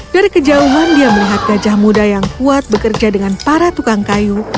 dari kejauhan dia melihat gajah muda yang kuat bekerja dengan para tukang kayu